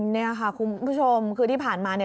นี่ค่ะคุณผู้ชมคือที่ผ่านมา